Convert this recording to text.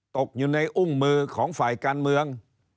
ตกอยู่ในอุ้มมือของฝ่ายการเมือง